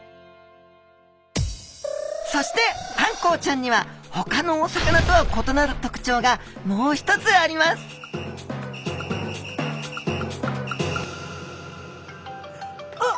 そしてあんこうちゃんにはほかのお魚とは異なる特徴がもう一つありますあっ